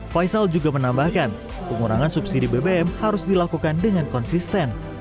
faisal juga menambahkan pengurangan subsidi bbm harus dilakukan dengan konsisten